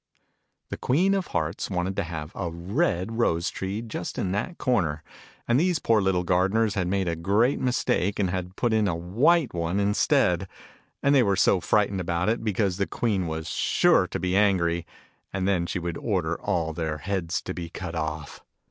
The Queen of Hearts wanted to have a red rose tree just in that corner : and these poor little gardeners had made a great mistake, and had put in a white one instead : and they were so frightened about it, because the Queen was sure to be angry, and then she would order all their heads to be cut off